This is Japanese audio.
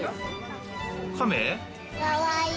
かわいい。